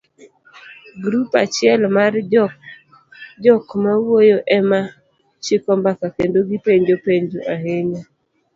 Grup achiel mar jokmawuoyo ema chiko mbaka kendo gipenjo penjo ahinya,